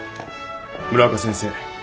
村岡先生。